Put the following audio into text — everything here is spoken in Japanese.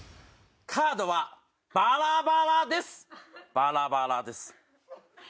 バラバラです。